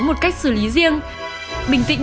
có một cách xử lý riêng bình tĩnh